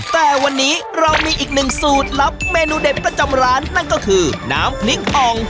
แต่วันนี้เรามีอีกหนึ่งสูตรลับเมนูเด็ดประจำร้านนั่นก็คือน้ำพริกอ่อง